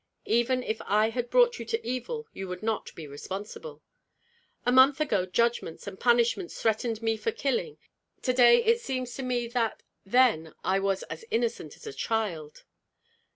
"Even if I had brought you to evil, you would not be responsible." "A month ago judgments and punishments threatened me for killing; to day it seems to me that then I was as innocent as a child."